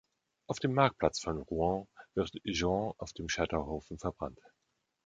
Auf dem Marktplatz von Rouen wird Joan auf dem Scheiterhaufen verbrannt.